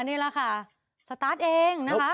นี่แหละค่ะสตาร์ทเองนะคะ